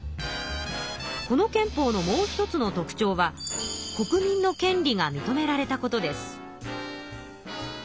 この憲法のもう一つの特ちょうは国民の権利が認められたことです。